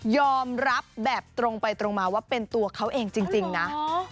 ยอมรับแบบตรงไปตรงมาว่าเป็นตัวเขาเองจริงนะ